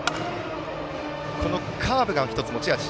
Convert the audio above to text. カーブが１つ持ち味。